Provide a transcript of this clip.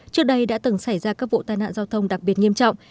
trước đây đã từng xảy ra các vụ tai nạn giao thông đặc biệt nghiêm trọng